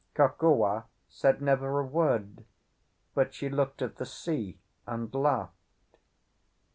Kokua said never a word, but she looked at the sea and laughed.